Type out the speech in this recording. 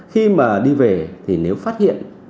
khi mà đi về thì nếu phát hiện